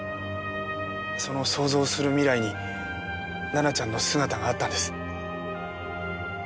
その想像する未来に奈々ちゃんの姿があったんです。